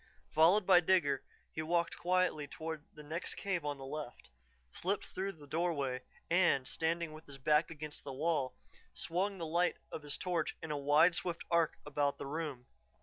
Followed by Digger, he walked quietly toward the next cave on the left, slipped through the doorway, and, standing with his back against the wall, swung the light of his torch in a wide, swift arc about the room.